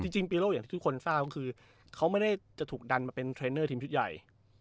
จริงปีโล่อย่างที่ทุกคนทราบก็คือเขาไม่ได้จะถูกดันมาเป็นเทรนเนอร์ทีมชุดใหญ่